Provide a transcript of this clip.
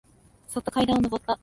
そっと階段をのぼった。